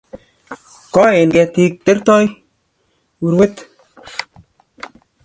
Koen ketik, tektoi urwet